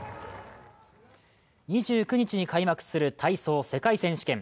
２９日に開幕する体操・世界選手権。